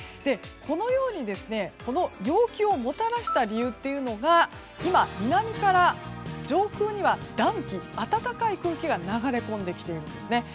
このような陽気をもたらした理由というのが今、南から上空には暖気暖かい空気が流れ込んできているんですね。